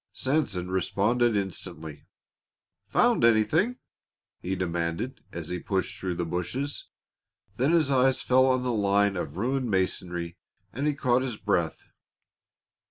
Sanson responded instantly "Found anything?" he demanded, as he plunged through the bushes. Then his eyes fell on the line of ruined masonry and he caught his breath.